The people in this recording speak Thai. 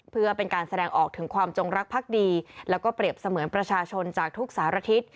เพื่อเป็นการแสดงออกถึงความจงรักภักดีแล้วก็เปรียบเสมือนประชาชนจากทุกสารทิศ